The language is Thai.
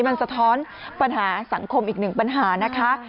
มันสะท้อนปัญหาสังคมอีกหนึ่งปัญหานะคะ